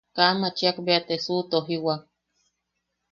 Kaa machiak bea te suʼutojiwak.